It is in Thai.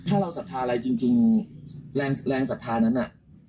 ถ้าเราศรัทธาอะไรจริงแรงศรัทธานั้นน่ะ